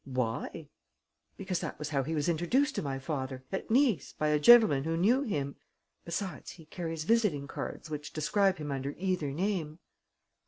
"Why?" "Because that was how he was introduced to my father, at Nice, by a gentleman who knew him. Besides, he carries visiting cards which describe him under either name."